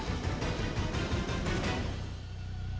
kisah kisah dari dapi posora